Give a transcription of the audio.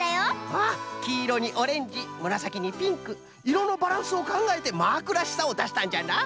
わっきいろにオレンジむらさきにピンクいろのバランスをかんがえてマークらしさをだしたんじゃな。